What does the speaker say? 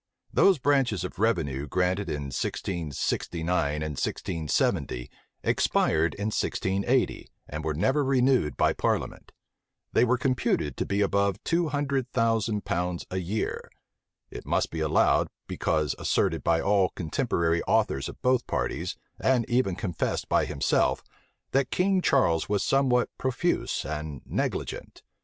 Those branches of revenue granted in 1669 and 1670, expired in 1680, and were never renewed by parliament: they were computed to be above two hundred thousand pounds a year. It must be allowed, because asserted by all contemporary authors of both parties, and even confessed by himself, that King Charles was somewhat profuse and negligent.